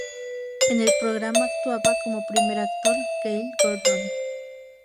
En el programa actuaba como primer actor Gale Gordon.